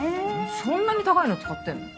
そんなに高いの使ってんの？